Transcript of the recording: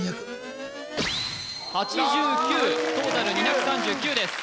トータル２３９です